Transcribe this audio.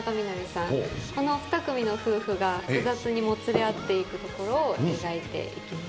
この２組の夫婦が複雑にもつれ合っていくところを描いていきます。